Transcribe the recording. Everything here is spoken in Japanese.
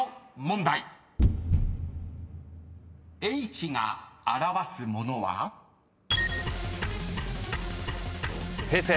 ［Ｈが表すものは？］平成。